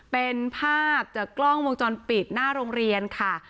เป็นภาพจากกล้องวงจรปิดหน้าโรงเรียนค่ะ